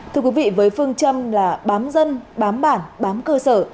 thưa quý vị với phương châm là bám dân bám bản bám cơ sở